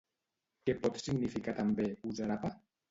Què pot significar també "gusarapa"?